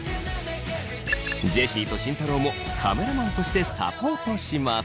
ジェシーと慎太郎もカメラマンとしてサポートします。